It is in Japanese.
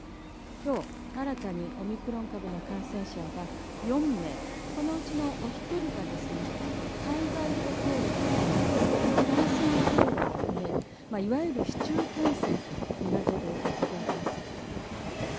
きょう新たにオミクロン株の感染者が４名、このうちのお１人がですね、海外渡航歴がない、感染経路が不明、いわゆる市中感染と見られるわけであります。